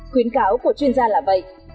khuyến cáo của chuyên gia là vậy